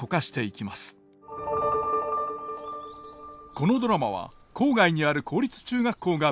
このドラマは郊外にある公立中学校が舞台。